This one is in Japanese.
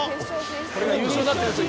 これが「優勝」になってるんですよ